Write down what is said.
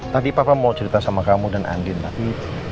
tadi papa mau cerita sama kamu dan andin tapi